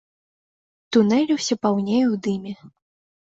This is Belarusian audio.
Тунель усё паўней у дыме.